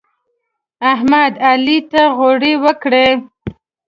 احمد؛ علي ته غورې وکړې.